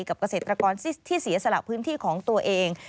เกษตรกรที่เสียสละพื้นที่ของตัวเอง